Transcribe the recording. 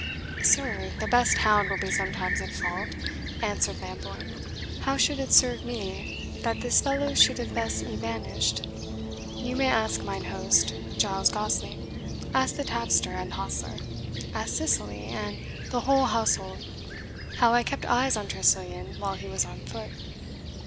"Sir, the best hound will be sometimes at fault," answered Lambourne; "how should it serve me that this fellow should have thus evanished? You may ask mine host, Giles Gosling ask the tapster and hostler ask Cicely, and the whole household, how I kept eyes on Tressilian while he was on foot.